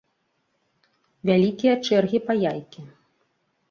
Вялікія чэргі па яйкі!